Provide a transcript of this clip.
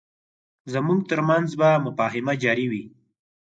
زموږ ترمنځ به مفاهمه جاري وي.